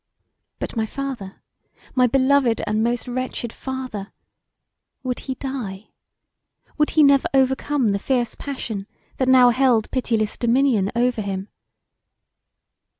But my father; my beloved and most wretched father? Would he die? Would he never overcome the fierce passion that now held pityless dominion over him?